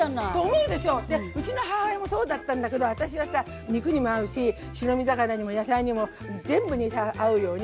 うちの母親もそうだったんだけど私はさ肉にも合うし白身魚にも野菜にも全部にさ合うように。